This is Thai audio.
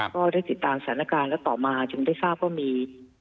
ก็ได้ติดตามสถานการณ์แล้วต่อมาจึงได้ทราบว่ามี